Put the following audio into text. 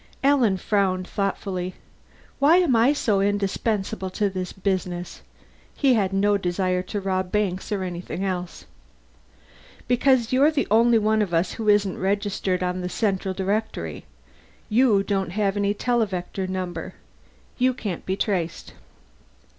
Alan frowned thoughtfully. "Why am I so indispensable to this business?" He had no desire to rob banks or anything else. "Because you're the only one of us who isn't registered on the central directory. You don't have any televector number. You can't be traced."